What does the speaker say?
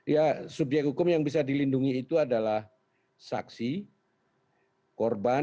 ya subjek hukum yang bisa dilindungi itu adalah saksi korban saksi korban